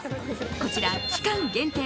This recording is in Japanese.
こちら、期間限定